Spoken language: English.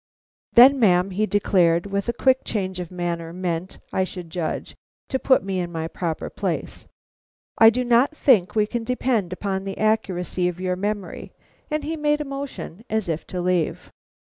"Then, ma'am," he declared, with a quick change of manner, meant, I should judge, to put me in my proper place, "I do not think we can depend upon the accuracy of your memory;" and he made a motion as if to leave.